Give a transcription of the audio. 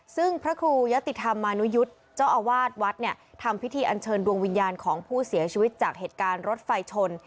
ซึ่งพระครูยะติธรรมมานุยุทธ์เจ้าอาวาสวัดเนี่ยทำพิธีอันเชิญดวงวิญญาณของผู้เสียชีวิตจากเหตุการณ์รถไฟชน